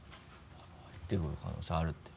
入ってくる可能性あるって。